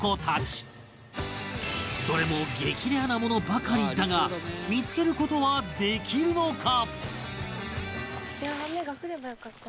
どれも激レアなものばかりだが見付ける事はできるのか？